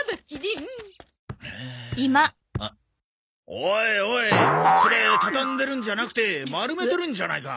おいおいそれ畳んでるんじゃなくて丸めてるんじゃないか。